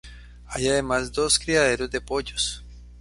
Hay además, dos criaderos de pollos.